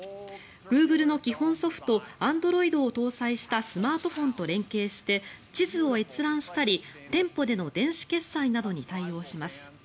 グーグルの基本ソフトＡｎｄｒｏｉｄを搭載したスマートフォンと連携して地図を閲覧したり店舗での電子決済などに対応します。